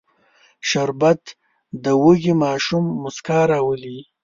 شربت د وږي ماشوم موسکا راولي